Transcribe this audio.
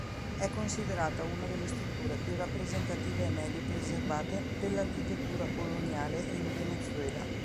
È considerata una delle strutture più rappresentative e meglio preservate dell'architettura coloniale in Venezuela.